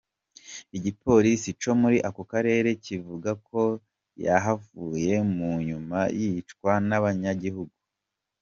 Igipolisi co muri ako karere kivuga ko yahavuye munyuma yicwa n'abanyagihugu.